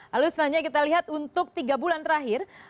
lalu selanjutnya kita lihat untuk tiga bulan terakhir